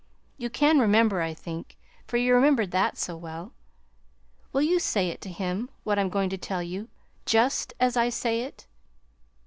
You can remember, I think, for you remembered that so well. Will you say it to him what I'm going to tell you just as I say it?"